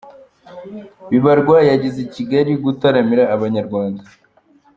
Bibarwa yageze ikigali gutaramira Abanyarwanda